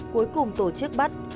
cuối cùng tổ chức bắt